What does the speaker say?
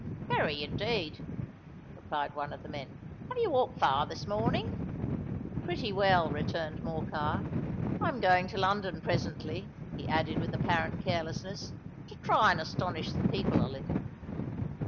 "Very, indeed," replied one of the men. "Have you walked far this morning?" "Pretty well," returned Morcar. "I'm going to London presently," he added with apparent carelessness, "to try and astonish the people a little."